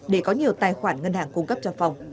để có nhiều tài khoản ngân hàng cung cấp cho phòng